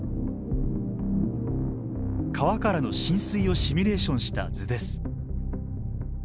川からの浸水をシミュレーションした図です。